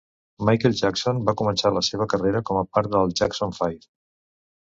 Michael Jackson va començar la seva carrera com a part del Jackson Five.